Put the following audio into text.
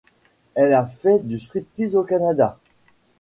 Elle a fait du striptease au Canada.